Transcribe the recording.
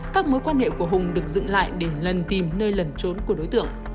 các mối quan hệ của hùng được dựng lại để lần tìm nơi lẩn trốn của đối tượng